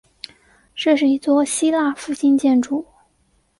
这是一座希腊复兴建筑。